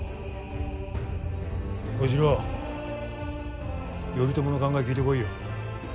小四郎頼朝の考え、聞いてこいよ。